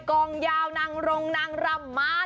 กองยาวนังรงนังระมา